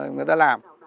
người ta làm